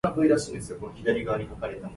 果子